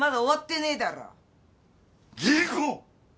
吟子！